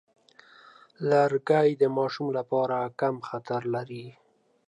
لرګی د ماشوم لپاره کم خطر لري.